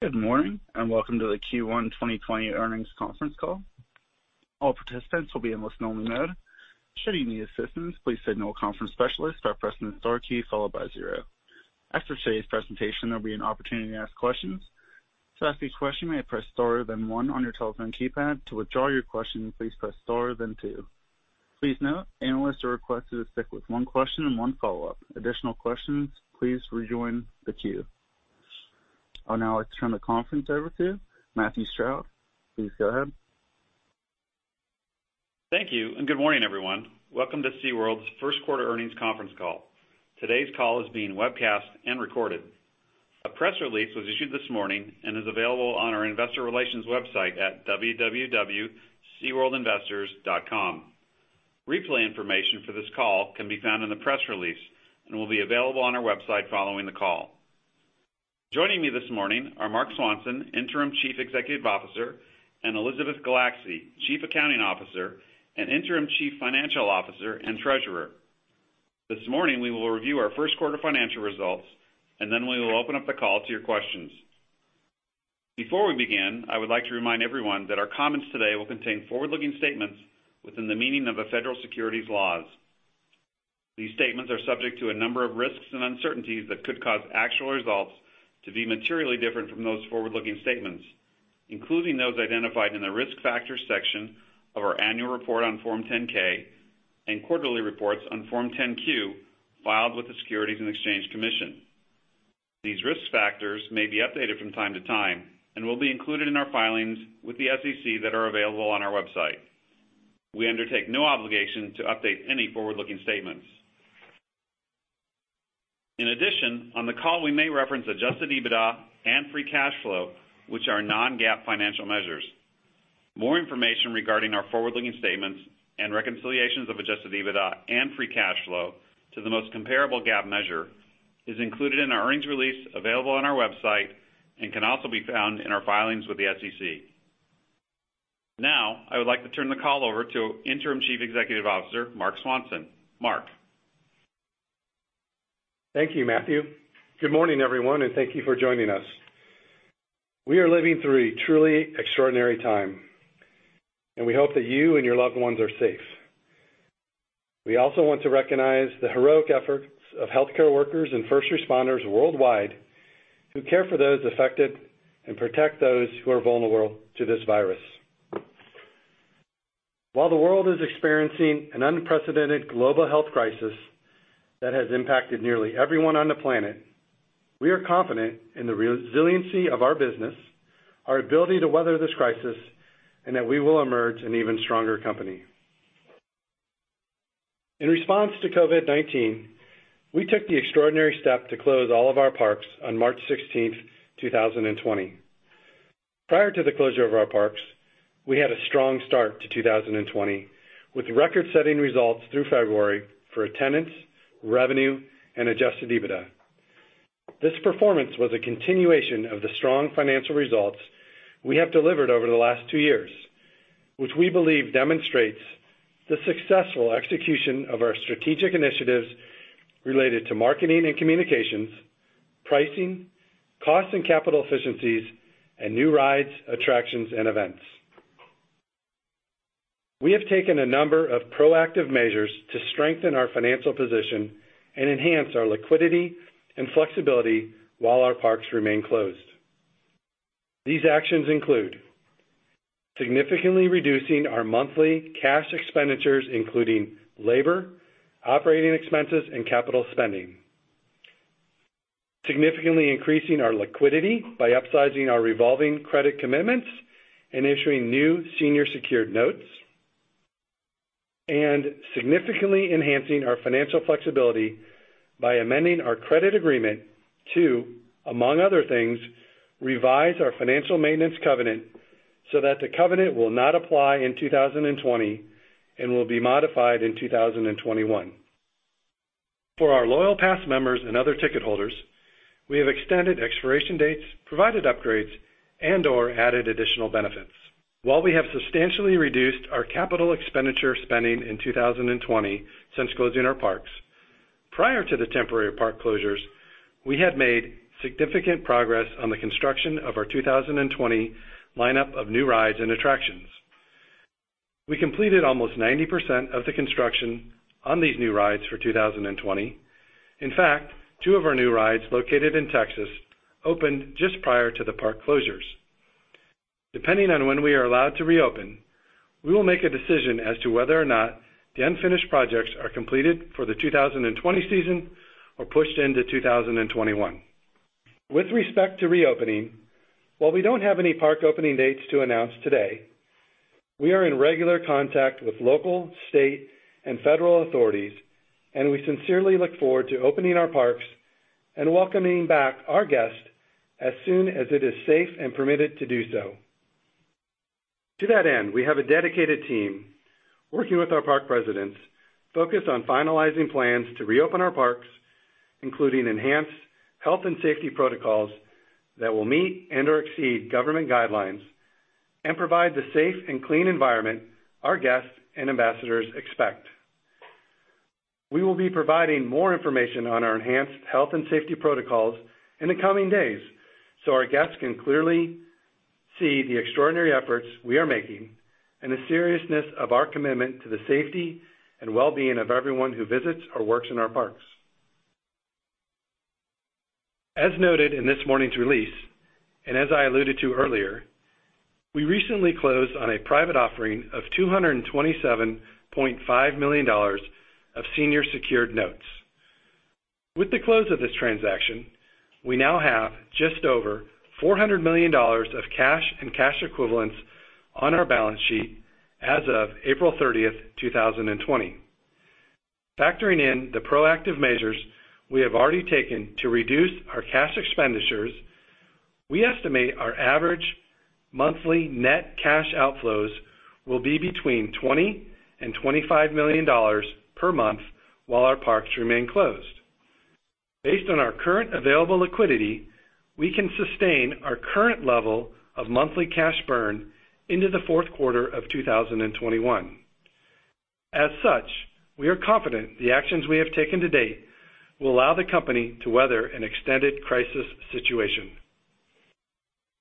Good morning, and welcome to the Q1 2020 earnings conference call. All participants will be in listen-only mode. Should you need assistance, please signal a conference specialist by pressing the star key followed by zero. After today's presentation, there'll be an opportunity to ask questions. To ask a question, you may press star, then one on your telephone keypad. To withdraw your question, please press star, then two. Please note, analysts are requested to stick with one question and one follow-up. Additional questions, please rejoin the queue. I would now like to turn the conference over to Matthew Stroud. Please go ahead. Thank you, and good morning, everyone. Welcome to SeaWorld's Q1 earnings conference call. Today's call is being webcast and recorded. A press release was issued this morning and is available on our investor relations website at www.seaworldinvestors.com. Replay information for this call can be found in the press release and will be available on our website following the call. Joining me this morning are Marc Swanson, Interim Chief Executive Officer, and Elizabeth Dove, Chief Accounting Officer and Interim Chief Financial Officer and Treasurer. This morning, we will review our Q1 financial results, and then we will open up the call to your questions. Before we begin, I would like to remind everyone that our comments today will contain forward-looking statements within the meaning of the federal securities laws. These statements are subject to a number of risks and uncertainties that could cause actual results to be materially different from those forward-looking statements, including those identified in the Risk Factors section of our annual report on Form 10-K and quarterly reports on Form 10-Q filed with the Securities and Exchange Commission. These risk factors may be updated from time to time and will be included in our filings with the SEC that are available on our website. We undertake no obligation to update any forward-looking statements. In addition, on the call, we may reference adjusted EBITDA and free cash flow, which are non-GAAP financial measures. More information regarding our forward-looking statements and reconciliations of adjusted EBITDA and free cash flow to the most comparable GAAP measure is included in our earnings release available on our website and can also be found in our filings with the SEC. Now, I would like to turn the call over to Interim Chief Executive Officer, Marc Swanson. Marc? Thank you, Matthew. Good morning, everyone, and thank you for joining us. We are living through a truly extraordinary time, and we hope that you and your loved ones are safe. We also want to recognize the heroic efforts of healthcare workers and first responders worldwide who care for those affected and protect those who are vulnerable to this virus. While the world is experiencing an unprecedented global health crisis that has impacted nearly everyone on the planet, we are confident in the resiliency of our business, our ability to weather this crisis, and that we will emerge an even stronger company. In response to COVID-19, we took the extraordinary step to close all of our parks on 16 March 2020. Prior to the closure of our parks, we had a strong start to 2020, with record-setting results through February for attendance, revenue, and adjusted EBITDA. This performance was a continuation of the strong financial results we have delivered over the last two years, which we believe demonstrates the successful execution of our strategic initiatives related to marketing and communications, pricing, cost and capital efficiencies, and new rides, attractions, and events. We have taken a number of proactive measures to strengthen our financial position and enhance our liquidity and flexibility while our parks remain closed. These actions include, significantly reducing our monthly cash expenditures, including labor, operating expenses, and capital spending, significantly increasing our liquidity by upsizing our revolving credit commitments and issuing new senior secured notes, and significantly enhancing our financial flexibility by amending our credit agreement to, among other things, revise our financial maintenance covenant so that the covenant will not apply in 2020 and will be modified in 2021. For our loyal pass members and other ticket holders, we have extended expiration dates, provided upgrades, and/or added additional benefits. While we have substantially reduced our capital expenditure spending in 2020 since closing our parks, prior to the temporary park closures, we had made significant progress on the construction of our 2020 lineup of new rides and attractions. We completed almost 90% of the construction on these new rides for 2020. In fact, two of our new rides, located in Texas, opened just prior to the park closures. Depending on when we are allowed to reopen, we will make a decision as to whether or not the unfinished projects are completed for the 2020 season or pushed into 2021. With respect to reopening, while we don't have any park opening dates to announce today, we are in regular contact with local, state, and federal authorities, and we sincerely look forward to opening our parks and welcoming back our guests as soon as it is safe and permitted to do so. To that end, we have a dedicated team working with our park presidents focused on finalizing plans to reopen our parks, including enhanced health and safety protocols that will meet and/or exceed government guidelines and provide the safe and clean environment our guests and ambassadors expect. We will be providing more information on our enhanced health and safety protocols in the coming days so our guests can clearly see the extraordinary efforts we are making and the seriousness of our commitment to the safety and well-being of everyone who visits or works in our parks. As noted in this morning's release, and as I alluded to earlier, we recently closed on a private offering of $227.5 million of senior secured notes. With the close of this transaction, we now have just over $400 million of cash and cash equivalents on our balance sheet as of 30 April 2020. Factoring in the proactive measures we have already taken to reduce our cash expenditures, we estimate our average monthly net cash outflows will be between $20 million and $25 million per month while our parks remain closed. Based on our current available liquidity, we can sustain our current level of monthly cash burn into the Q4 of 2021. As such, we are confident the actions we have taken to date will allow the company to weather an extended crisis situation.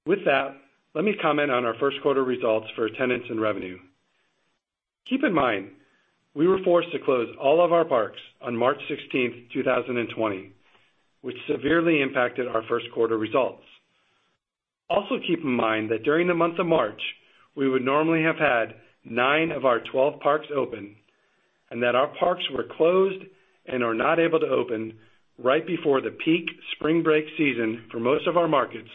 With that, let me comment on our Q1 results for attendance and revenue. Keep in mind, we were forced to close all of our parks on 16 March 2020, which severely impacted our Q1 results. Keep in mind that during the month of March, we would normally have had nine of our 12 parks open, and that our parks were closed and are not able to open right before the peak spring break season for most of our markets,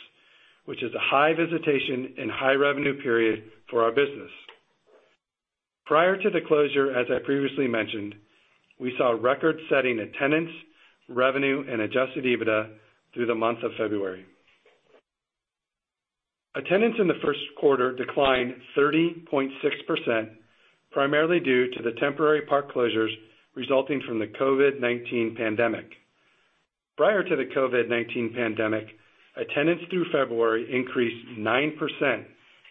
which is a high visitation and high revenue period for our business. Prior to the closure, as I previously mentioned, we saw record-setting attendance, revenue, and adjusted EBITDA through the month of February. Attendance in the Q1 declined 30.6%, primarily due to the temporary park closures resulting from the COVID-19 pandemic. Prior to the COVID-19 pandemic, attendance through February increased 9%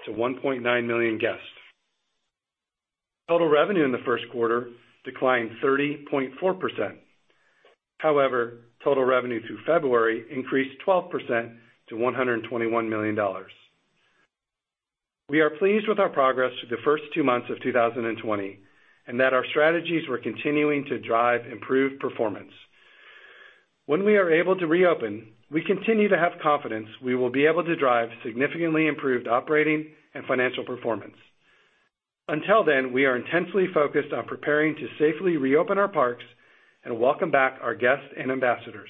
to 1.9 million guests. Total revenue in the Q1 declined 30.4%. However, total revenue through February increased 12% to $121 million. We are pleased with our progress through the first two months of 2020 and that our strategies were continuing to drive improved performance. When we are able to reopen, we continue to have confidence we will be able to drive significantly improved operating and financial performance. Until then, we are intensely focused on preparing to safely reopen our parks and welcome back our guests and ambassadors.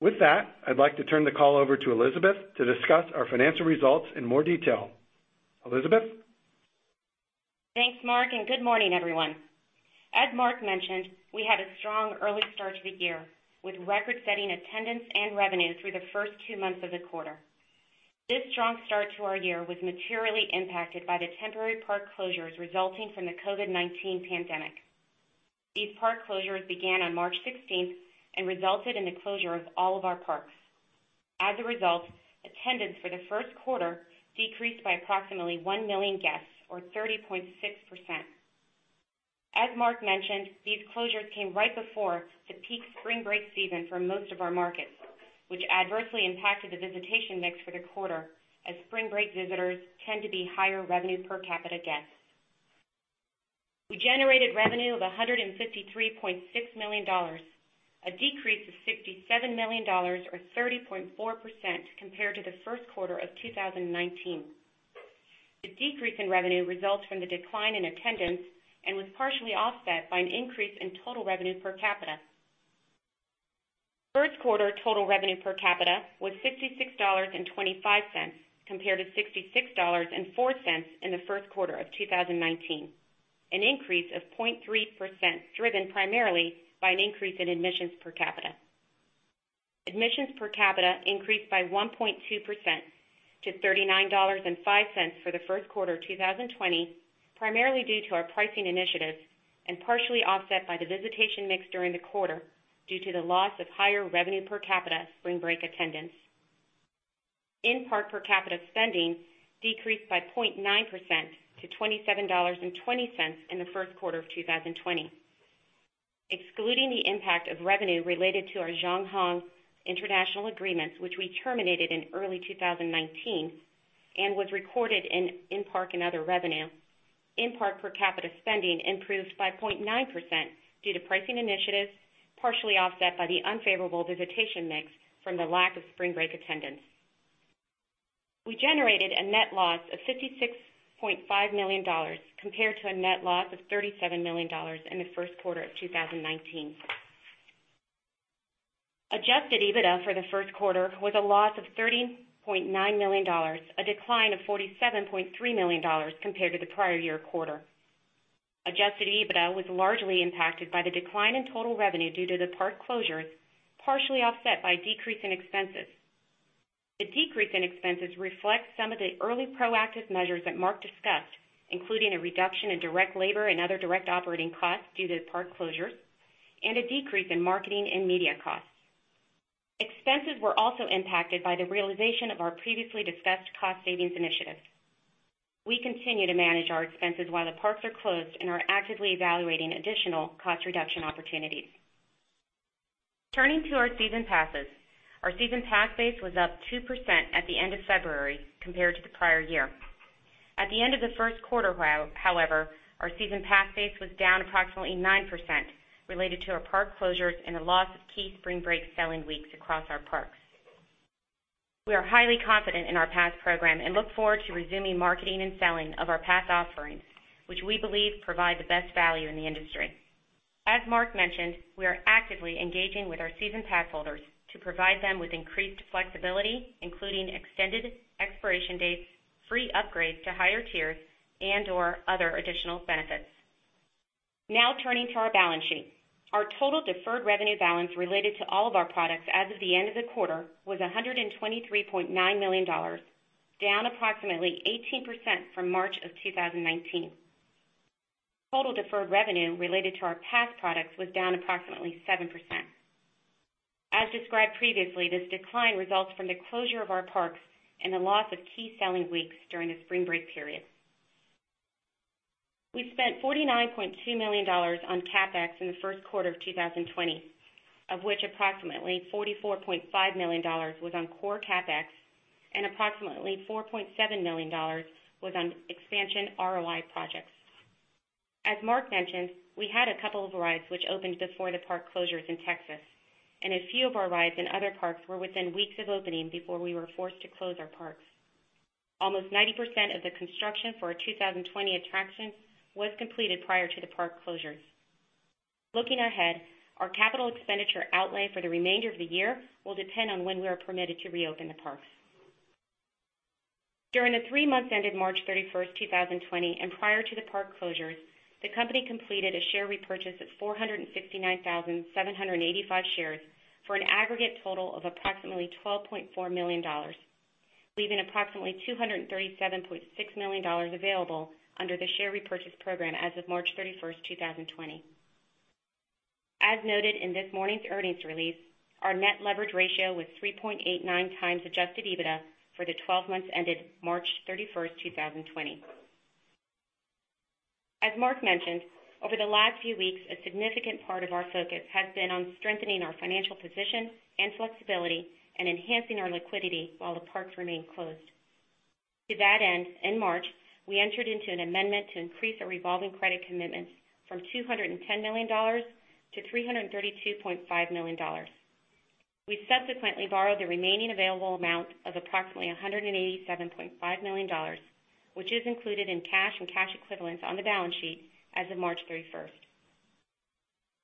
With that, I'd like to turn the call over to Elizabeth to discuss our financial results in more detail. Elizabeth? Thanks, Marc, good morning, everyone. As Marc mentioned, we had a strong early start to the year with record-setting attendance and revenue through the first two months of the quarter. This strong start to our year was materially impacted by the temporary park closures resulting from the COVID-19 pandemic. These park closures began on March 16 and resulted in the closure of all of our parks. As a result, attendance for the Q1 decreased by approximately one million guests or 30.6%. As Marc mentioned, these closures came right before the peak spring break season for most of our markets, which adversely impacted the visitation mix for the quarter, as spring break visitors tend to be higher revenue per capita guests. We generated revenue of $153.6 million, a decrease of $67 million or 30.4% compared to the Q1 of 2019. The decrease in revenue results from the decline in attendance and was partially offset by an increase in total revenue per capita. Q1 total revenue per capita was $66.25 compared to $66.04 in the Q1 of 2019, an increase of 0.3% driven primarily by an increase in admissions per capita. Admissions per capita increased by 1.2% to $39.05 for the Q1 2020, primarily due to our pricing initiatives and partially offset by the visitation mix during the quarter due to the loss of higher revenue per capita spring break attendance. In-park per capita spending decreased by 0.9% to $27.20 in the Q1 of 2020. Excluding the impact of revenue related to our Zhonghong Group agreements, which we terminated in early 2019 and was recorded in in-park and other revenue, in-park per capita spending improved by 0.9% due to pricing initiatives, partially offset by the unfavorable visitation mix from the lack of spring break attendance. We generated a net loss of $56.5 million compared to a net loss of $37 million in the Q1 of 2019. Adjusted EBITDA for the Q1 was a loss of $30.9 million, a decline of $47.3 million compared to the prior year quarter. Adjusted EBITDA was largely impacted by the decline in total revenue due to the park closures, partially offset by a decrease in expenses. The decrease in expenses reflects some of the early proactive measures that Marc discussed, including a reduction in direct labor and other direct operating costs due to the park closures and a decrease in marketing and media costs. Expenses were also impacted by the realization of our previously discussed cost savings initiatives. We continue to manage our expenses while the parks are closed and are actively evaluating additional cost reduction opportunities. Turning to our season passes. Our season pass base was up 2% at the end of February compared to the prior year. At the end of the Q1, however, our season pass base was down approximately 9% related to our park closures and the loss of key spring break selling weeks across our parks. We are highly confident in our pass program and look forward to resuming marketing and selling of our pass offerings, which we believe provide the best value in the industry. As Marc mentioned, we are actively engaging with our season pass holders to provide them with increased flexibility, including extended expiration dates, free upgrades to higher tiers, and/or other additional benefits. Now turning to our balance sheet. Our total deferred revenue balance related to all of our products as of the end of the quarter was $123.9 million, down approximately 18% from March of 2019. Total deferred revenue related to our pass products was down approximately 7%. As described previously, this decline results from the closure of our parks and the loss of key selling weeks during the spring break period. We spent $49.2 million on CapEx in the Q1 of 2020, of which approximately $44.5 million was on core CapEx and approximately $4.7 million was on expansion ROI projects. As Marc mentioned, we had a couple of rides which opened before the park closures in Texas, and a few of our rides in other parks were within weeks of opening before we were forced to close our parks. Almost 90% of the construction for our 2020 attractions was completed prior to the park closures. Looking ahead, our capital expenditure outlay for the remainder of the year will depend on when we are permitted to reopen the parks. During the three months ended 31 March 2020, and prior to the park closures, the company completed a share repurchase of 469,785 shares for an aggregate total of approximately $12.4 million, leaving approximately $237.6 million available under the share repurchase program as of 31 March 2020. As noted in this morning's earnings release, our net leverage ratio was 3.89 times adjusted EBITDA for the 12 months ended 31 March 2020. As Marc mentioned, over the last few weeks, a significant part of our focus has been on strengthening our financial position and flexibility and enhancing our liquidity while the parks remain closed. To that end, in March, we entered into an amendment to increase our revolving credit commitments from $210 million to $332.5 million. We subsequently borrowed the remaining available amount of approximately $187.5 million, which is included in cash and cash equivalents on the balance sheet as of 31 March.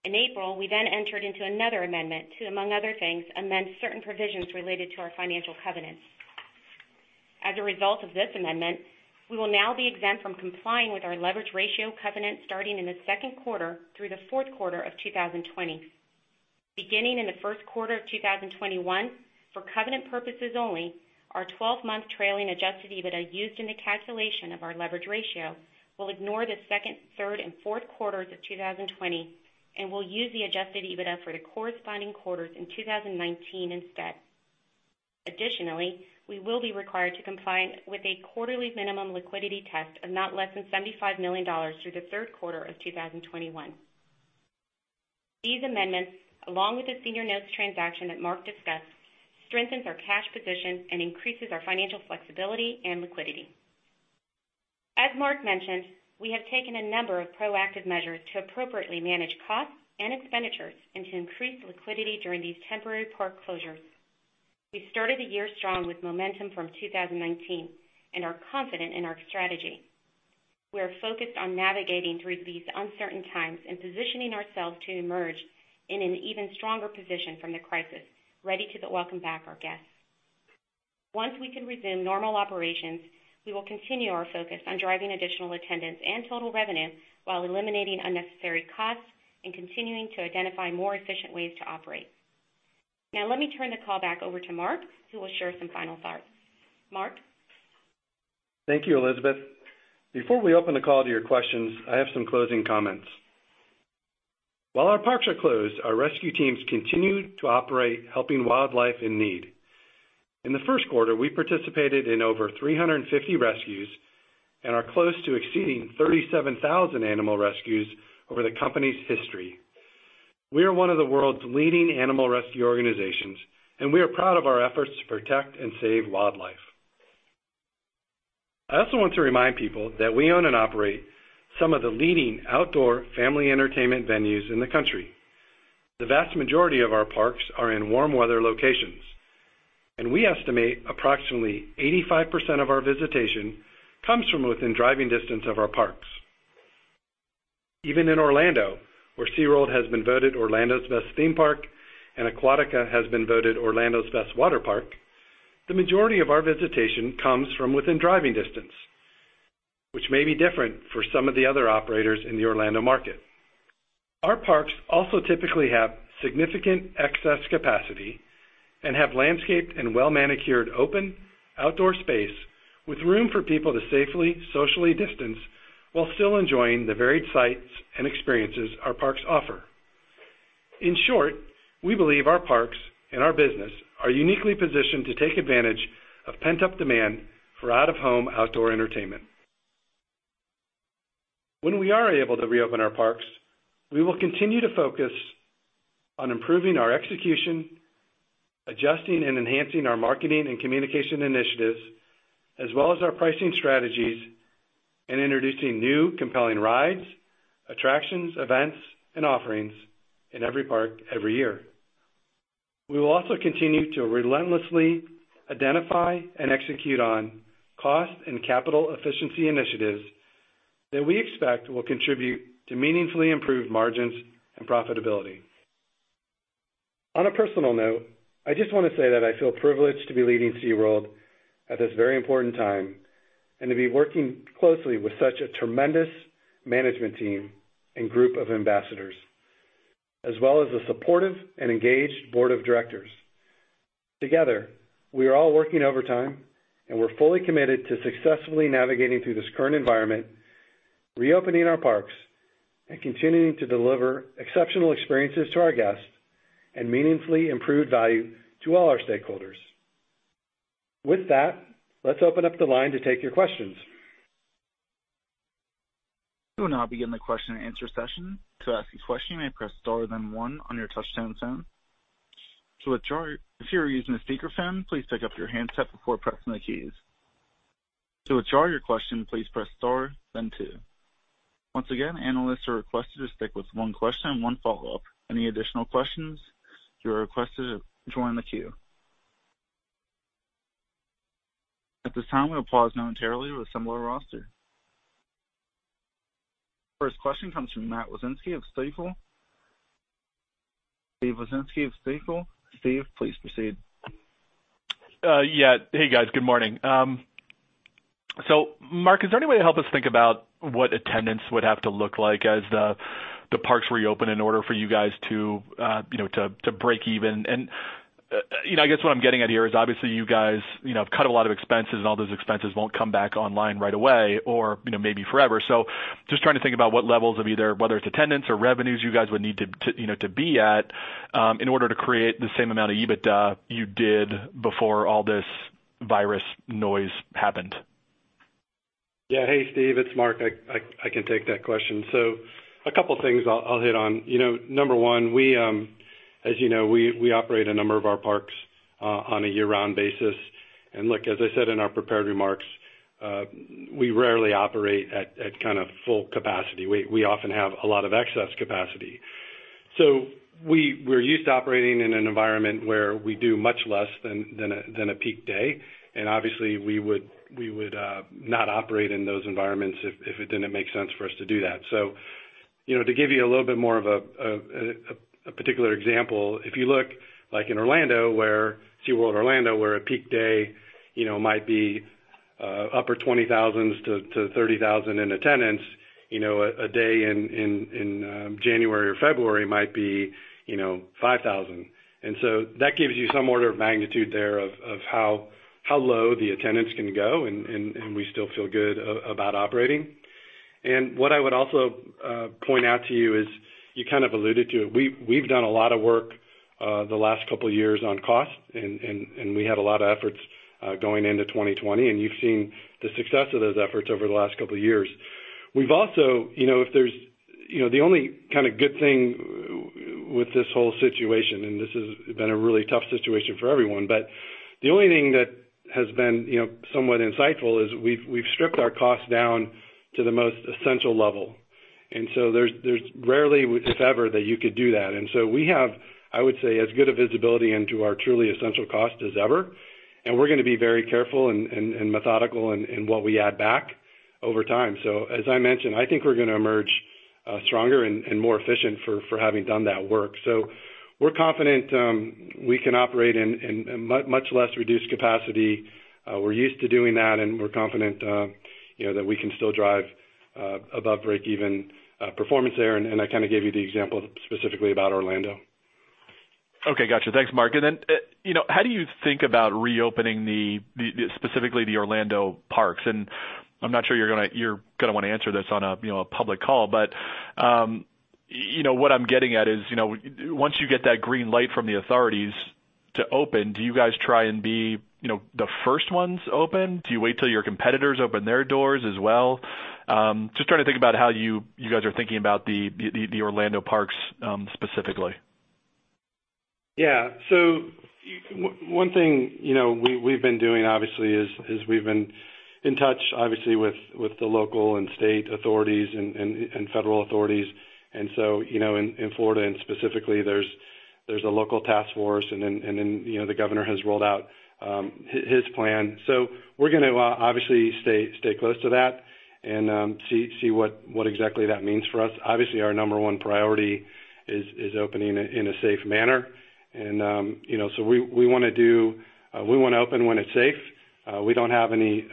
In April, we entered into another amendment to, among other things, amend certain provisions related to our financial covenants. As a result of this amendment, we will now be exempt from complying with our leverage ratio covenant starting in the Q2 through the Q4 of 2020. Beginning in the Q1 of 2021, for covenant purposes only, our 12-month trailing adjusted EBITDA used in the calculation of our leverage ratio will ignore the second, third, and Q4s of 2020 and will use the adjusted EBITDA for the corresponding quarters in 2019 instead. Additionally, we will be required to comply with a quarterly minimum liquidity test of not less than $75 million through the Q3 of 2021. These amendments, along with the senior notes transaction that Marc discussed, strengthens our cash position and increases our financial flexibility and liquidity. As Marc mentioned, we have taken a number of proactive measures to appropriately manage costs and expenditures and to increase liquidity during these temporary park closures. We started the year strong with momentum from 2019 and are confident in our strategy. We are focused on navigating through these uncertain times and positioning ourselves to emerge in an even stronger position from the crisis, ready to welcome back our guests. Once we can resume normal operations, we will continue our focus on driving additional attendance and total revenue while eliminating unnecessary costs and continuing to identify more efficient ways to operate. Now, let me turn the call back over to Marc, who will share some final thoughts. Marc? Thank you, Elizabeth. Before we open the call to your questions, I have some closing comments. While our parks are closed, our rescue teams continue to operate, helping wildlife in need. In the Q1, we participated in over 350 rescues and are close to exceeding 37,000 animal rescues over the company's history. We are one of the world's leading animal rescue organizations, and we are proud of our efforts to protect and save wildlife. I also want to remind people that we own and operate some of the leading outdoor family entertainment venues in the country. The vast majority of our parks are in warm weather locations, and we estimate approximately 85% of our visitation comes from within driving distance of our parks. Even in Orlando, where SeaWorld has been voted Orlando's best theme park and Aquatica has been voted Orlando's best water park, the majority of our visitation comes from within driving distance, which may be different for some of the other operators in the Orlando market. Our parks also typically have significant excess capacity and have landscaped and well-manicured open outdoor space. With room for people to safely socially distance while still enjoying the varied sights and experiences our parks offer. In short, we believe our parks and our business are uniquely positioned to take advantage of pent-up demand for out-of-home outdoor entertainment. When we are able to reopen our parks, we will continue to focus on improving our execution, adjusting and enhancing our marketing and communication initiatives, as well as our pricing strategies, and introducing new compelling rides, attractions, events, and offerings in every park every year. We will also continue to relentlessly identify and execute on cost and capital efficiency initiatives that we expect will contribute to meaningfully improve margins and profitability. On a personal note, I just want to say that I feel privileged to be leading SeaWorld at this very important time, and to be working closely with such a tremendous management team and group of ambassadors, as well as a supportive and engaged board of directors. Together, we are all working overtime, and we're fully committed to successfully navigating through this current environment, reopening our parks, and continuing to deliver exceptional experiences to our guests and meaningfully improve value to all our stakeholders. With that, let's open up the line to take your questions. We will now begin the question and answer session. To ask a question, you may press star then one on your touchtone phone. If you are using a speakerphone, please pick up your handset before pressing the keys. To withdraw your question, please press star then two. Once again, analysts are requested to stick with one question and one follow-up. Any additional questions, you are requested to join the queue. At this time, we will pause momentarily to assemble our roster. First question comes from Steve Wieczynski of Stifel. Steve, please proceed. Yeah. Hey, guys. Good morning. Marc, is there any way to help us think about what attendance would have to look like as the parks reopen in order for you guys to break even? I guess what I'm getting at here is, obviously, you guys have cut a lot of expenses, and all those expenses won't come back online right away or maybe forever. Just trying to think about what levels of either, whether it's attendance or revenues you guys would need to be at in order to create the same amount of EBITDA you did before all this virus noise happened. Yeah. Hey, Steve. It's Marc. I can take that question. A couple things I'll hit on. Number one, as you know, we operate a number of our parks on a year-round basis. And look, as I said in our prepared remarks, we rarely operate at kind of full capacity. We often have a lot of excess capacity. We're used to operating in an environment where we do much less than a peak day, and obviously we would not operate in those environments if it didn't make sense for us to do that. To give you a little bit more of a particular example, if you look like in Orlando, where SeaWorld Orlando, where a peak day might be upper 20,000 to 30,000 in attendance, a day in January or February might be 5,000. That gives you some order of magnitude there of how low the attendance can go and we still feel good about operating. What I would also point out to you is, you kind of alluded to it, we've done a lot of work the last couple of years on cost and we had a lot of efforts going into 2020, and you've seen the success of those efforts over the last couple of years. The only kind of good thing with this whole situation, and this has been a really tough situation for everyone, but the only thing that has been somewhat insightful is we've stripped our costs down to the most essential level. There's rarely, if ever, that you could do that. We have, I would say, as good a visibility into our truly essential cost as ever, and we're going to be very careful and methodical in what we add back over time. As I mentioned, I think we're going to emerge stronger and more efficient for having done that work. We're confident we can operate in much less reduced capacity. We're used to doing that, and we're confident that we can still drive above break-even performance there. I kind of gave you the example specifically about Orlando. Okay. Got you. Thanks, Marc. How do you think about reopening specifically the Orlando parks? I'm not sure you're going to want to answer this on a public call, but what I'm getting at is, once you get that green light from the authorities to open, do you guys try and be the first ones open? Do you wait till your competitors open their doors as well? Just trying to think about how you guys are thinking about the Orlando parks, specifically. One thing we've been doing, obviously, is we've been in touch, obviously, with the local and state authorities and federal authorities. In Florida and specifically, there's a local task force, and then the governor has rolled out his plan. We're going to obviously stay close to that and see what exactly that means for us. Obviously, our number one priority is opening in a safe manner. We want to open when it's safe. We don't have any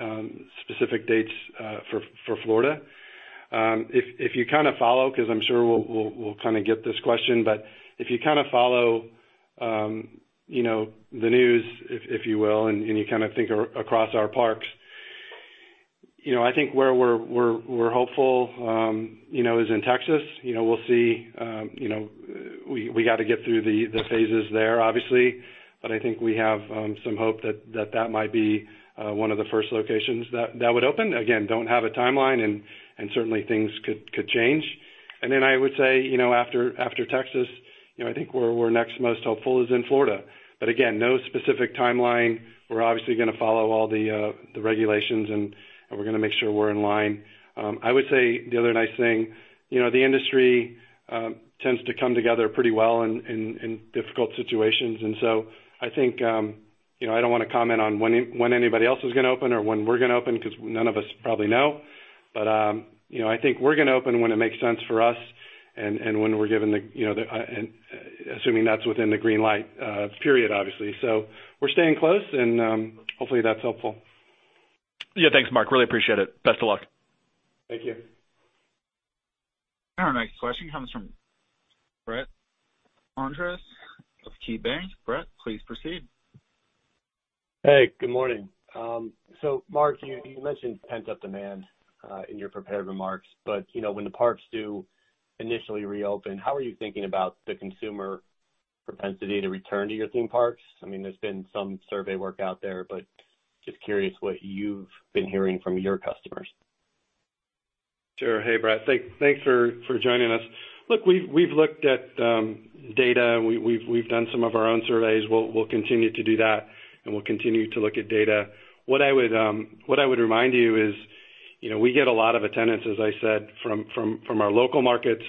specific dates for Florida. If you follow, because I'm sure we'll get this question, but if you follow the news, if you will, and you think across our parks, I think where we're hopeful is in Texas. We got to get through the phases there, obviously. I think we have some hope that might be one of the first locations that would open. Don't have a timeline, and certainly things could change. I would say, after Texas, I think where we're next most hopeful is in Florida. No specific timeline. We're obviously going to follow all the regulations, and we're going to make sure we're in line. I would say the other nice thing, the industry tends to come together pretty well in difficult situations. I think, I don't want to comment on when anybody else is going to open or when we're going to open, because none of us probably know. I think we're going to open when it makes sense for us and assuming that's within the green light period, obviously. We're staying close and hopefully that's helpful. Yeah. Thanks, Marc. Really appreciate it. Best of luck. Thank you. Our next question comes from Brett Andress of KeyBanc. Brett, please proceed. Hey, good morning. Marc, you mentioned pent-up demand in your prepared remarks, but when the parks do initially reopen, how are you thinking about the consumer propensity to return to your theme parks? There's been some survey work out there, but just curious what you've been hearing from your customers. Sure. Hey, Brett. Thanks for joining us. We've looked at data. We've done some of our own surveys. We'll continue to do that, and we'll continue to look at data. What I would remind you is, we get a lot of attendance, as I said, from our local markets,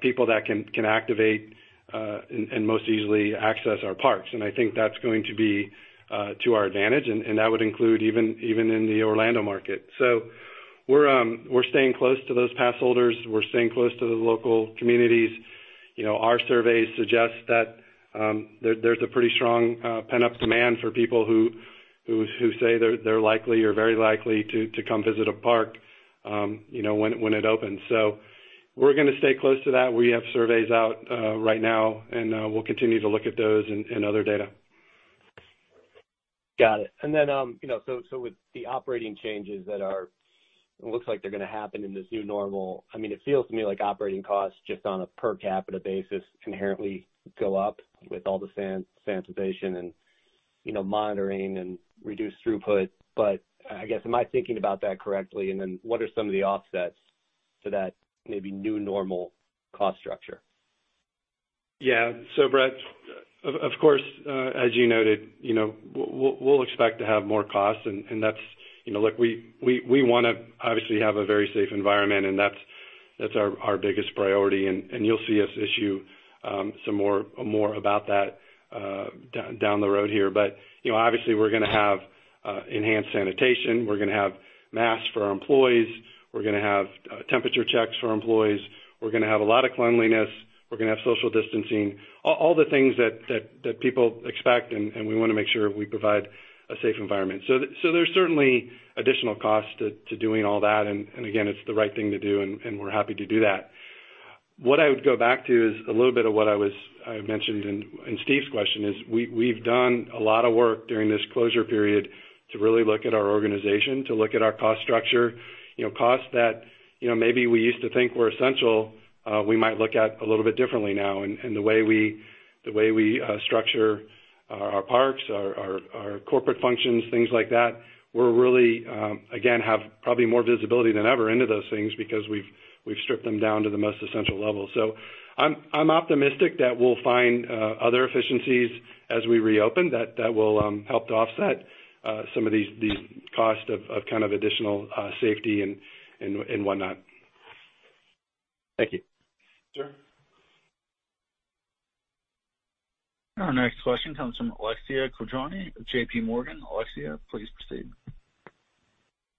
people that can activate, and most easily access our parks. I think that's going to be to our advantage, and that would include even in the Orlando market. We're staying close to those pass holders. We're staying close to the local communities. Our surveys suggest that there's a pretty strong pent-up demand for people who say they're likely or very likely to come visit a park when it opens. We're going to stay close to that. We have surveys out right now, and we'll continue to look at those and other data. Got it. With the operating changes that looks like they're going to happen in this new normal, it feels to me like operating costs just on a per capita basis inherently go up with all the sanitation and monitoring and reduced throughput. I guess, am I thinking about that correctly? What are some of the offsets to that maybe new normal cost structure? Brett, of course, as you noted, we'll expect to have more costs. Look, we want to obviously have a very safe environment and that's our biggest priority. You'll see us issue some more about that down the road here. Obviously we're going to have enhanced sanitation. We're going to have masks for our employees. We're going to have temperature checks for employees. We're going to have a lot of cleanliness. We're going to have social distancing, all the things that people expect, and we want to make sure we provide a safe environment. There's certainly additional costs to doing all that, and again, it's the right thing to do, and we're happy to do that. What I would go back to is a little bit of what I mentioned in Steve's question, we've done a lot of work during this closure period to really look at our organization, to look at our cost structure. Costs that maybe we used to think were essential, we might look at a little bit differently now and the way we structure our parks, our corporate functions, things like that. We're really, again, have probably more visibility than ever into those things because we've stripped them down to the most essential level. I'm optimistic that we'll find other efficiencies as we reopen that will help to offset some of these costs of kind of additional safety and whatnot. Thank you. Sure. Our next question comes from Alexia Quadrani of JPMorgan. Alexia, please proceed.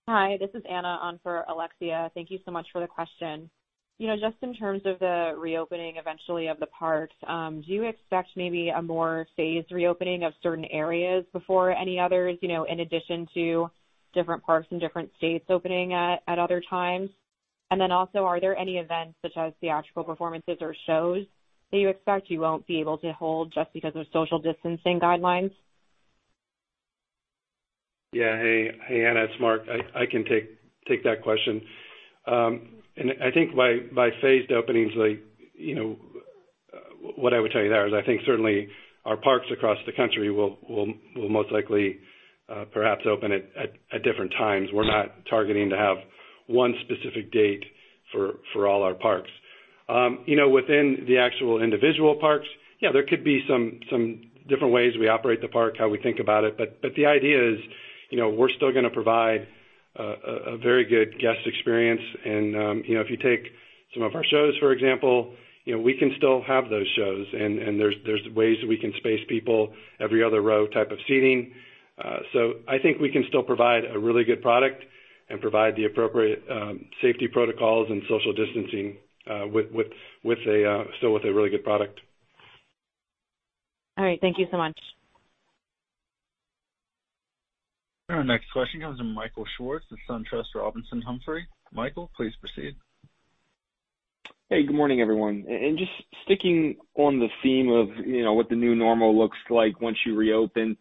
Hi, this is Anna on for Alexia Quadrani. Thank you so much for the question. In terms of the reopening eventually of the parks, do you expect maybe a more phased reopening of certain areas before any others, in addition to different parks in different states opening at other times? Also, are there any events such as theatrical performances or shows that you expect you won't be able to hold just because of social distancing guidelines? Yeah. Hey, Anna. It's Marc. I can take that question. I think by phased openings, what I would tell you there is I think certainly our parks across the country will most likely perhaps open at different times. We're not targeting to have one specific date for all our parks. Within the actual individual parks, yeah, there could be some different ways we operate the park, how we think about it, but the idea is we're still going to provide a very good guest experience and if you take some of our shows, for example, we can still have those shows and there's ways that we can space people every other row type of seating. I think we can still provide a really good product and provide the appropriate safety protocols and social distancing still with a really good product. All right. Thank you so much. Our next question comes from Michael Swartz of SunTrust Robinson Humphrey. Michael, please proceed. Good morning, everyone. Just sticking on the theme of what the new normal looks like once you reopen,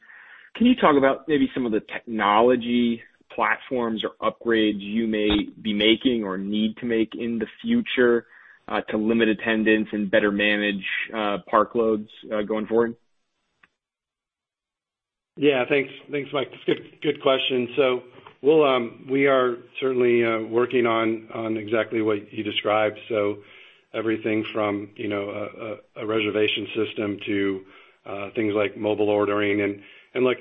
can you talk about maybe some of the technology platforms or upgrades you may be making or need to make in the future, to limit attendance and better manage park loads going forward? Yeah, thanks, Mike. That's a good question. We are certainly working on exactly what you described. Everything from a reservation system to things like mobile ordering and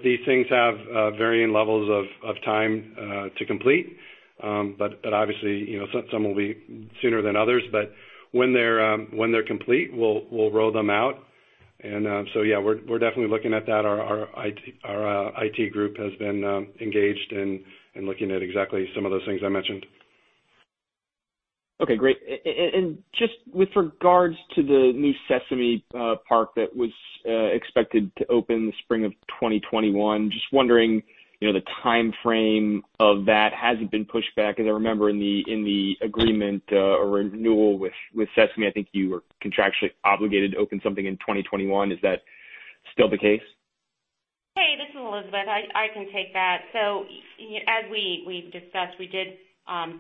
these things have varying levels of time to complete. Obviously, some will be sooner than others. When they're complete, we'll roll them out. Yeah, we're definitely looking at that. Our IT group has been engaged in looking at exactly some of those things I mentioned. Okay, great. Just with regards to the new Sesame Place that was expected to open in the spring of 2021, just wondering, the timeframe of that, has it been pushed back? Because I remember in the agreement or renewal with Sesame Workshop, I think you were contractually obligated to open something in 2021. Is that still the case? Hey, this is Elizabeth. I can take that. As we've discussed, we did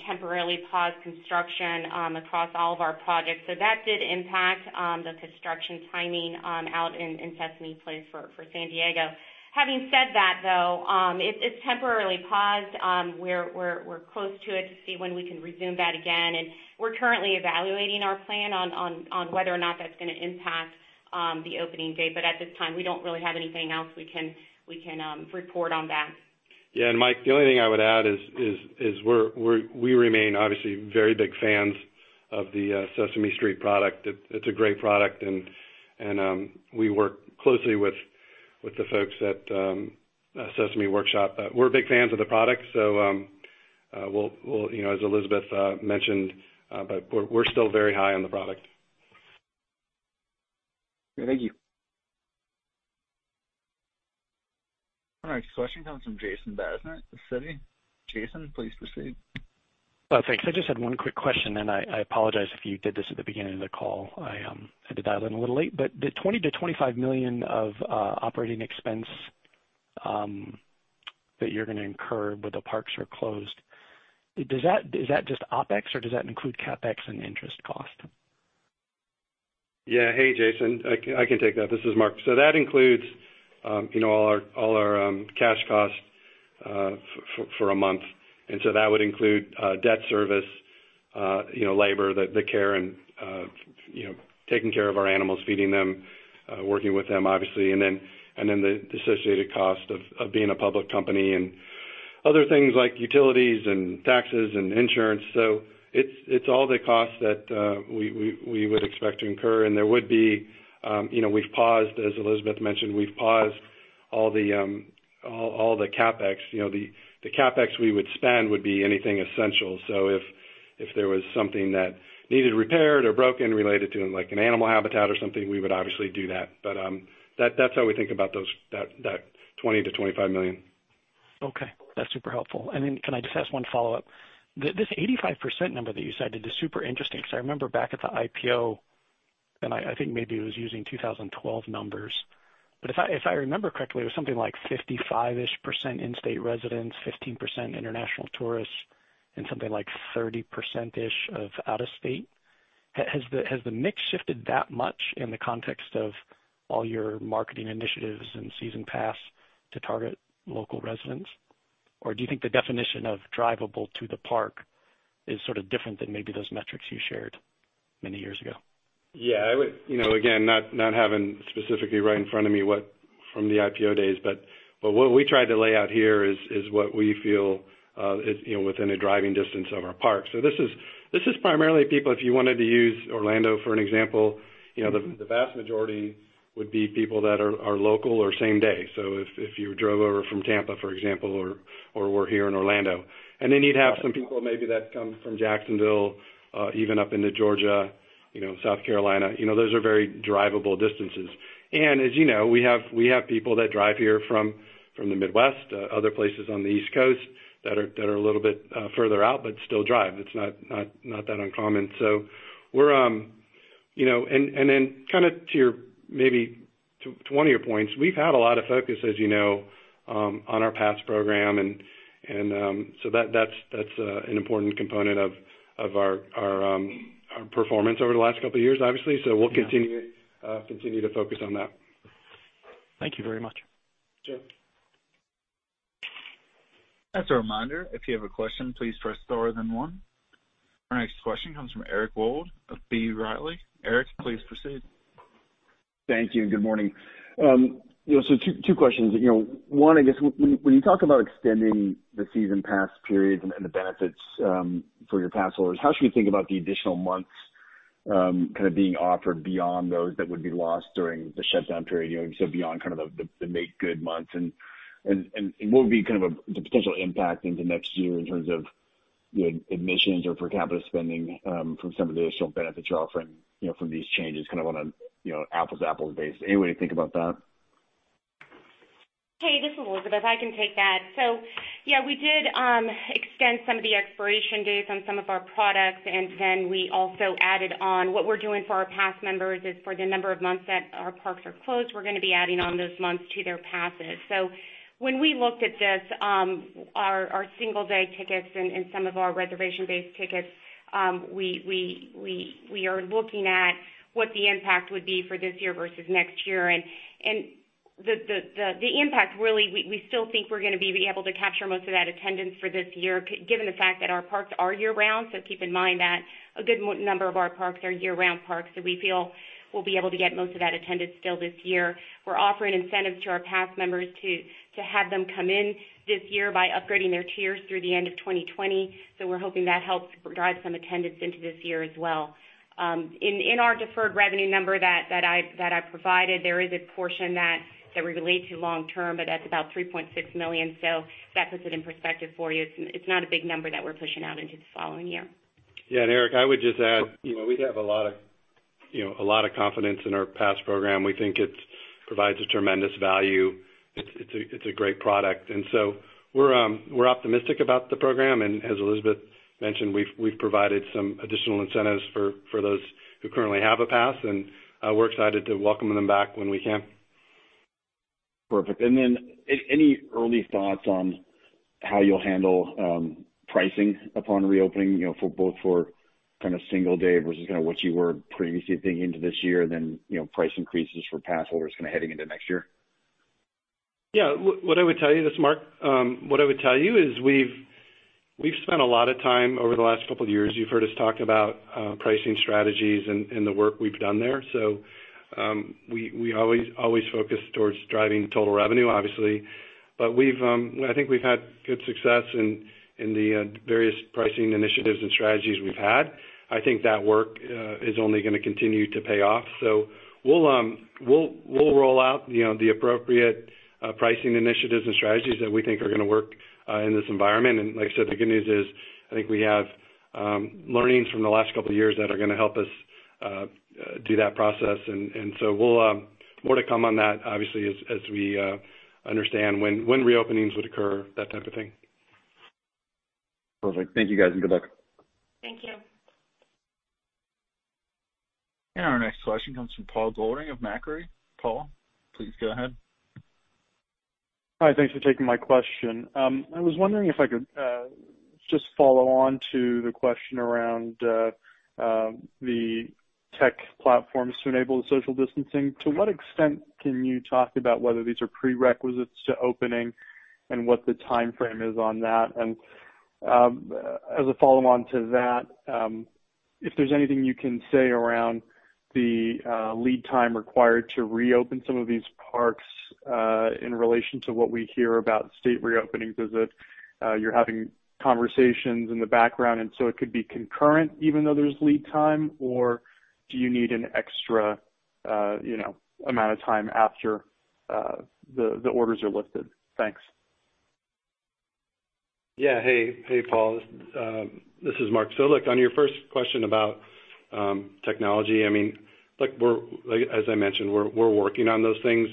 temporarily pause construction across all of our projects. That did impact the construction timing out in Sesame Place for San Diego. Having said that, though, it's temporarily paused. We're close to it to see when we can resume that again, and we're currently evaluating our plan on whether or not that's going to impact the opening date. At this time, we don't really have anything else we can report on that. Yeah. Mike, the only thing I would add is we remain obviously very big fans of the Sesame Street product. It's a great product, and we work closely with the folks at Sesame Workshop. We're big fans of the product. As Elizabeth mentioned, we're still very high on the product. Thank you. Our next question comes from Jason Bazinet with Citi. Jason, please proceed. Oh, thanks. I just had one quick question, and I apologize if you did this at the beginning of the call. I had to dial in a little late. The $20 million-$25 million of operating expense that you're going to incur where the parks are closed, is that just OpEx or does that include CapEx and interest cost? Hey, Jason. I can take that. This is Marc. That includes all our cash costs for a month. That would include debt service, labor, the care and taking care of our animals, feeding them, working with them, obviously. Then the associated cost of being a public company and other things like utilities and taxes and insurance. It's all the costs that we would expect to incur, and there would be, as Elizabeth mentioned, we've paused all the CapEx. The CapEx we would spend would be anything essential. If there was something that needed repaired or broken related to an animal habitat or something, we would obviously do that. That's how we think about that $20 million-$25 million. Okay, that's super helpful. Can I just ask one follow-up? This 85% number that you cited is super interesting because I remember back at the IPO, I think maybe it was using 2012 numbers. If I remember correctly, it was something like 55%-ish in-state residents, 15% international tourists, and something like 30%-ish of out-of-state. Has the mix shifted that much in the context of all your marketing initiatives and season pass to target local residents? Do you think the definition of drivable to the park is sort of different than maybe those metrics you shared many years ago? Yeah. Again, not having specifically right in front of me from the IPO days, but what we tried to lay out here is what we feel is within a driving distance of our parks. This is primarily people, if you wanted to use Orlando for an example, the vast majority would be people that are local or same-day. If you drove over from Tampa, for example, or were here in Orlando. You'd have some people maybe that come from Jacksonville, even up into Georgia, South Carolina. Those are very drivable distances. As you know, we have people that drive here from the Midwest, other places on the East Coast that are a little bit further out but still drive. It's not that uncommon. Then kind of to maybe one of your points, we've had a lot of focus, as you know, on our pass program, and so that's an important component of our performance over the last couple of years, obviously. We'll continue to focus on that. Thank you very much. Sure. As a reminder, if you have a question, please press star then one. Our next question comes from Eric Wold of B. Riley. Eric, please proceed. Thank you. Good morning. Two questions. One, I guess, when you talk about extending the season pass periods and the benefits for your pass holders, how should we think about the additional months kind of being offered beyond those that would be lost during the shutdown period? Beyond kind of the make-good months and what would be kind of the potential impact into next year in terms of the admissions or per capita spending from some of the additional benefits you're offering from these changes on an apples basis. Any way to think about that? Hey, this is Elizabeth. I can take that. Yeah, we did extend some of the expiration dates on some of our products. We also added on. What we're doing for our pass members is for the number of months that our parks are closed, we're going to be adding on those months to their passes. When we looked at this, our single-day tickets and some of our reservation-based tickets, we are looking at what the impact would be for this year versus next year. The impact, really, we still think we're going to be able to capture most of that attendance for this year, given the fact that our parks are year-round. Keep in mind that a good number of our parks are year-round parks, so we feel we'll be able to get most of that attendance still this year. We're offering incentives to our pass members to have them come in this year by upgrading their tiers through the end of 2020. We're hoping that helps drive some attendance into this year as well. In our deferred revenue number that I provided, there is a portion that would relate to long-term, but that's about $3.6 million. That puts it in perspective for you. It's not a big number that we're pushing out into the following year. Yeah, Eric, I would just add, we have a lot of confidence in our pass program. We think it provides a tremendous value. It's a great product. We're optimistic about the program. As Elizabeth mentioned, we've provided some additional incentives for those who currently have a pass, and we're excited to welcome them back when we can. Perfect. Any early thoughts on how you'll handle pricing upon reopening, both for kind of single day versus kind of what you were previously thinking into this year, then price increases for pass holders kind of heading into next year? Yeah, this is Marc. What I would tell you is we've spent a lot of time over the last couple of years. You've heard us talk about pricing strategies and the work we've done there. We always focus towards driving total revenue, obviously, but I think we've had good success in the various pricing initiatives and strategies we've had. I think that work is only going to continue to pay off. We'll roll out the appropriate pricing initiatives and strategies that we think are going to work in this environment. Like I said, the good news is I think we have learnings from the last couple of years that are going to help us do that process. More to come on that, obviously, as we understand when reopenings would occur, that type of thing. Perfect. Thank you guys and good luck. Thank you. Our next question comes from Paul Golding of Macquarie. Paul, please go ahead. Hi. Thanks for taking my question. I was wondering if I could just follow on to the question around the tech platforms to enable the social distancing. To what extent can you talk about whether these are prerequisites to opening and what the timeframe is on that? As a follow-on to that, if there's anything you can say around the lead time required to reopen some of these parks in relation to what we hear about state reopenings. Is it you're having conversations in the background and so it could be concurrent even though there's lead time, or do you need an extra amount of time after the orders are lifted? Thanks. Hey, Paul. This is Marc. Look, on your first question about technology, as I mentioned, we're working on those things.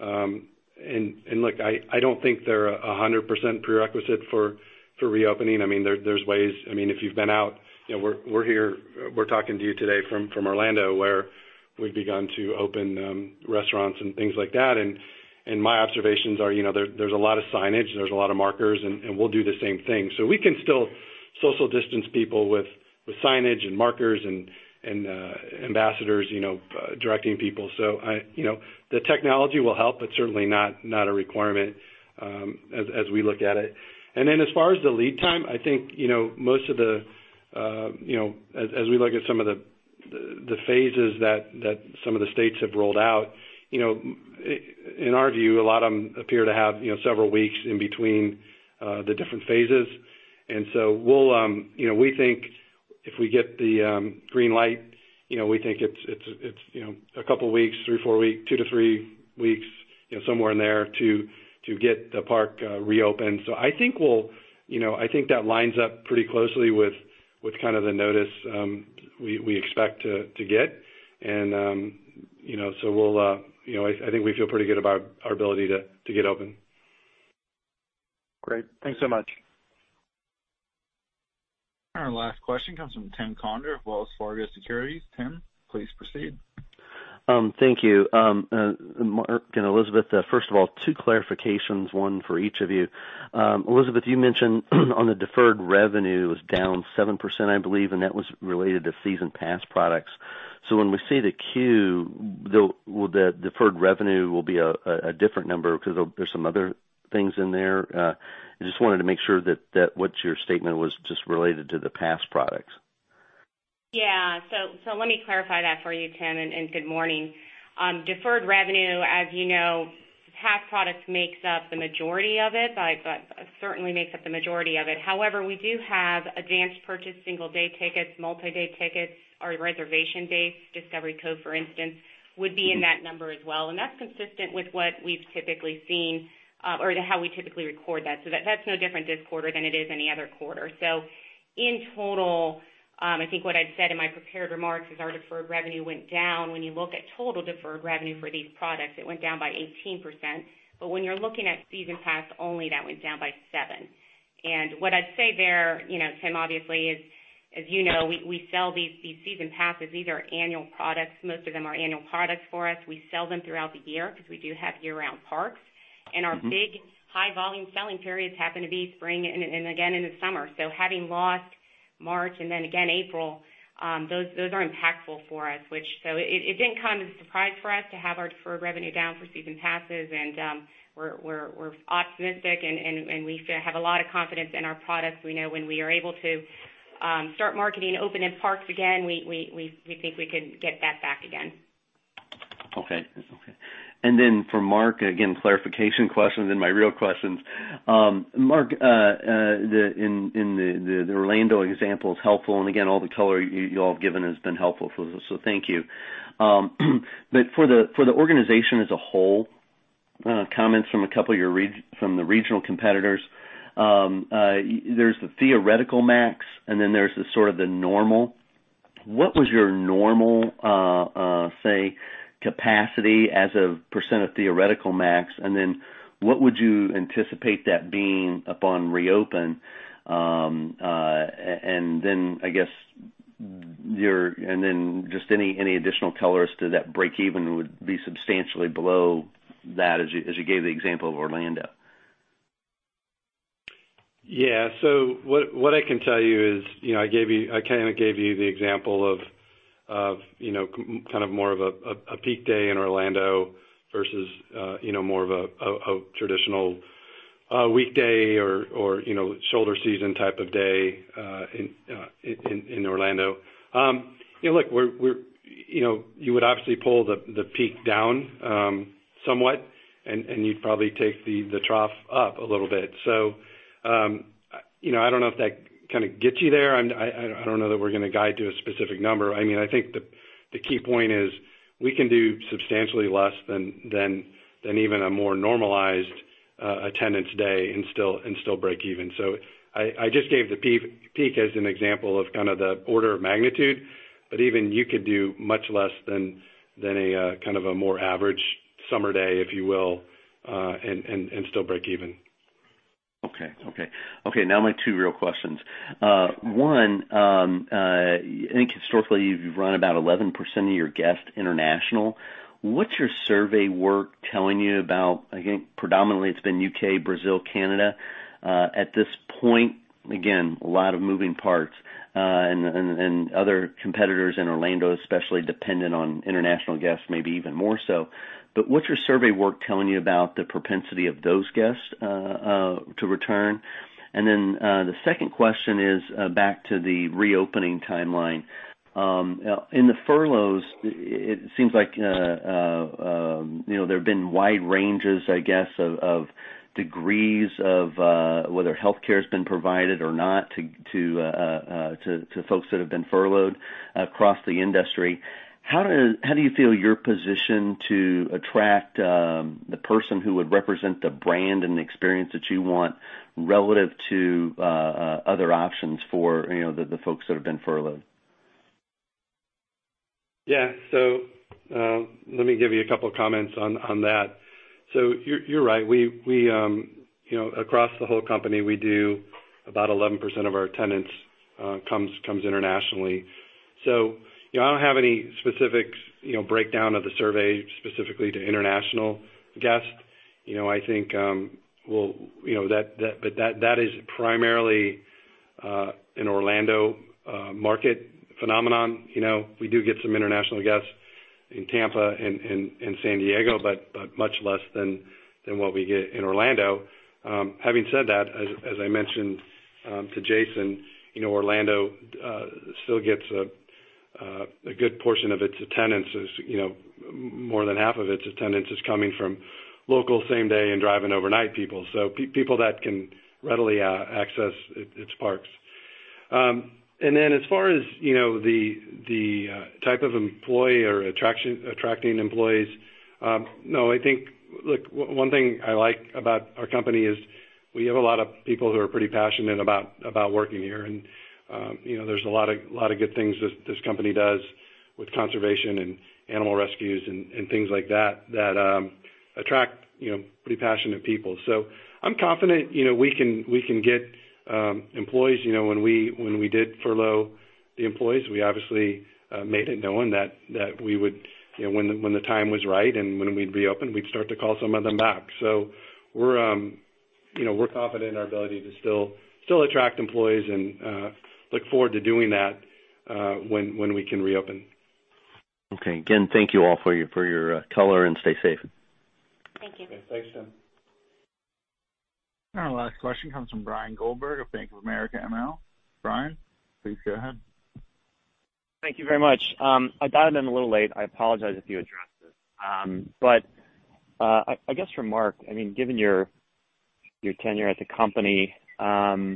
Look, I don't think they're 100% prerequisite for reopening. There's ways, if you've been out, we're here, we're talking to you today from Orlando where we've begun to open restaurants and things like that. My observations are there's a lot of signage and there's a lot of markers and we'll do the same thing. We can still social distance people with signage and markers and ambassadors directing people. The technology will help, but certainly not a requirement as we look at it. As far as the lead time, as we look at some of the phases that some of the states have rolled out, in our view, a lot of them appear to have several weeks in between the different phases. We think if we get the green light, we think it's a couple weeks, three, four weeks, two to three weeks, somewhere in there to get the park reopened. I think that lines up pretty closely with kind of the notice we expect to get. I think we feel pretty good about our ability to get open. Great. Thanks so much. Our last question comes from Tim Conder of Wells Fargo Securities. Tim, please proceed. Thank you. Marc and Elizabeth, first of all, two clarifications, one for each of you. Elizabeth, you mentioned on the deferred revenue was down 7%, I believe, and that was related to season pass products. When we see the Q, the deferred revenue will be a different number because there's some other things in there. I just wanted to make sure that what your statement was just related to the pass products. Yeah. Let me clarify that for you, Tim, and good morning. Deferred revenue, as you know, pass products makes up the majority of it, but certainly makes up the majority of it. We do have advanced purchase single-day tickets, multi-day tickets, our reservation-based Discovery Cove, for instance, would be in that number as well. That's consistent with what we've typically seen or how we typically record that. That's no different this quarter than it is any other quarter. In total, I think what I'd said in my prepared remarks is our deferred revenue went down. When you look at total deferred revenue for these products, it went down by 18%. When you're looking at season pass only, that went down by 7%. What I'd say there, Tim, obviously, as you know, we sell these season passes. These are annual products. Most of them are annual products for us. We sell them throughout the year because we do have year-round parks. Our big high-volume selling periods happen to be spring and again in the summer. Having lost March and then again April, those are impactful for us. It didn't come as a surprise for us to have our deferred revenue down for season passes and we're optimistic and we have a lot of confidence in our products. We know when we are able to start marketing and opening parks again, we think we can get that back again. Okay. For Marc, again, clarification questions and my real questions. Marc, in the Orlando example is helpful, and again, all the color you all have given has been helpful for us, so thank you. For the organization as a whole, comments from the regional competitors, there's the theoretical max, and then there's the sort of the normal. What was your normal, say, capacity as a percent of theoretical max? What would you anticipate that being upon reopen? Just any additional color as to that break even would be substantially below that as you gave the example of Orlando. What I can tell you is, I kind of gave you the example of more of a peak day in Orlando versus more of a traditional weekday or shoulder season type of day in Orlando. You would obviously pull the peak down, somewhat, and you'd probably take the trough up a little bit. I don't know if that kind of gets you there. I don't know that we're going to guide to a specific number. I think the key point is we can do substantially less than even a more normalized attendance day and still break even. I just gave the peak as an example of kind of the order of magnitude. Even you could do much less than a kind of a more average summer day, if you will, and still break even. My two real questions. One, I think historically, you've run about 11% of your guests international. What's your survey work telling you about, again, predominantly it's been U.K., Brazil, Canada. At this point, again, a lot of moving parts, other competitors in Orlando, especially dependent on international guests, maybe even more so. What's your survey work telling you about the propensity of those guests to return? The second question is back to the reopening timeline. In the furloughs, it seems like there have been wide ranges, I guess, of degrees of whether healthcare has been provided or not to folks that have been furloughed across the industry. How do you feel you're positioned to attract the person who would represent the brand and the experience that you want relative to other options for the folks that have been furloughed? Yeah. Let me give you a couple of comments on that. You're right. Across the whole company, we do about 11% of our attendance comes internationally. I don't have any specific breakdown of the survey specifically to international guests. I think that is primarily an Orlando market phenomenon. We do get some international guests in Tampa and San Diego, but much less than what we get in Orlando. Having said that, as I mentioned to Jason, Orlando still gets a good portion of its attendance, more than half of its attendance is coming from local same-day and drive-in overnight people. People that can readily access its parks. As far as the type of employee or attracting employees, I think, look, one thing I like about our company is we have a lot of people who are pretty passionate about working here, and there's a lot of good things this company does with conservation and animal rescues and things like that attract pretty passionate people. I'm confident we can get employees. When we did furlough the employees, we obviously made it known that when the time was right and when we'd reopen, we'd start to call some of them back. We're confident in our ability to still attract employees and look forward to doing that when we can reopen. Okay. Again, thank you all for your color and stay safe. Thank you. Thanks, Tim. Our last question comes from Brian Goldberg of Bank of America Merrill Lynch. Brian, please go ahead. Thank you very much. I dialed in a little late. I apologize if you addressed this. I guess for Marc, given your tenure at the company, was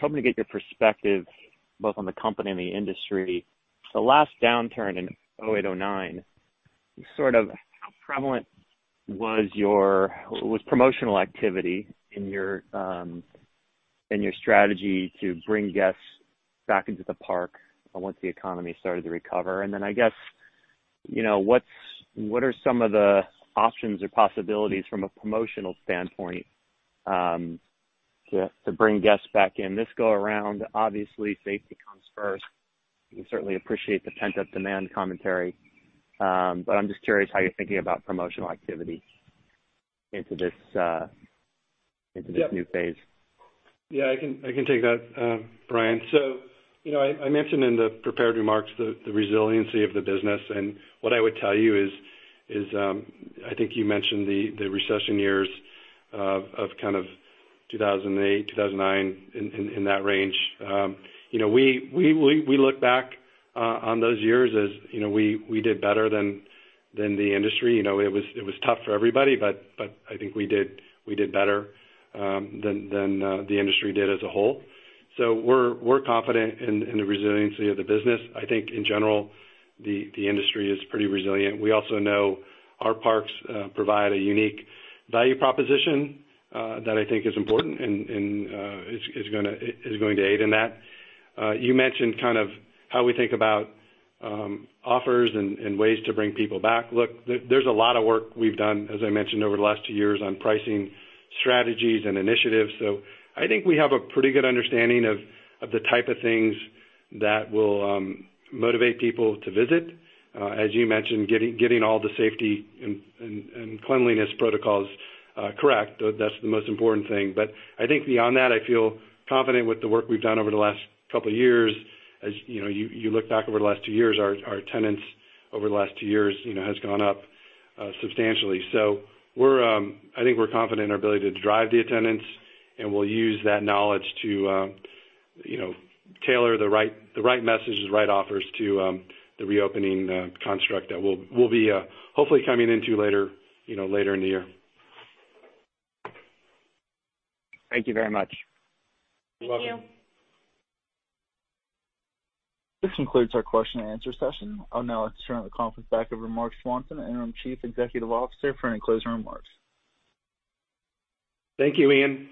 hoping to get your perspective both on the company and the industry. The last downturn in 2008, 2009. How prevalent was promotional activity in your strategy to bring guests back into the park once the economy started to recover? What are some of the options or possibilities from a promotional standpoint to bring guests back in this go around? Obviously, safety comes first. We certainly appreciate the pent-up demand commentary, but I'm just curious how you're thinking about promotional activity into this new phase. Yeah, I can take that, Brian. I mentioned in the prepared remarks the resiliency of the business, and what I would tell you is, I think you mentioned the recession years of kind of 2008, 2009, in that range. We look back on those years as we did better than the industry. It was tough for everybody, but I think we did better than the industry did as a whole. We're confident in the resiliency of the business. I think in general, the industry is pretty resilient. We also know our parks provide a unique value proposition that I think is important and is going to aid in that. You mentioned how we think about offers and ways to bring people back. Look, there's a lot of work we've done, as I mentioned, over the last two years on pricing strategies and initiatives. I think we have a pretty good understanding of the type of things that will motivate people to visit. As you mentioned, getting all the safety and cleanliness protocols correct, that's the most important thing. I think beyond that, I feel confident with the work we've done over the last couple of years. As you look back over the last two years, our attendance over the last two years has gone up substantially. I think we're confident in our ability to drive the attendance, and we'll use that knowledge to tailor the right messages, the right offers to the reopening construct that we'll be hopefully coming into later in the year. Thank you very much. You're welcome. Thank you. This concludes our question and answer session. I'll now turn the conference back over to Marc Swanson, Interim Chief Executive Officer, for any closing remarks. Thank you, Ian.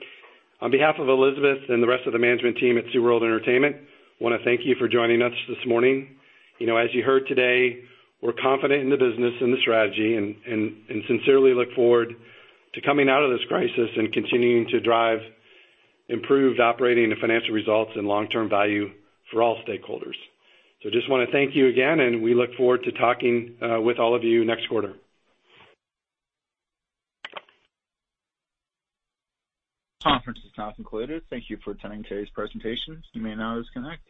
On behalf of Elizabeth and the rest of the management team at SeaWorld Entertainment, I want to thank you for joining us this morning. As you heard today, we're confident in the business and the strategy and sincerely look forward to coming out of this crisis and continuing to drive improved operating and financial results and long-term value for all stakeholders. Just want to thank you again, and we look forward to talking with all of you next quarter. Conference is now concluded. Thank you for attending today's presentation. You may now disconnect.